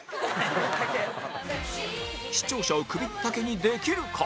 視聴者を首ったけにできるか？